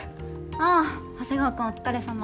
ああ長谷川君お疲れさま。